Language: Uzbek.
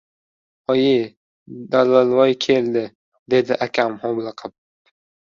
— Oyi, Dalavoy keldi! — dedi akam hovliqib.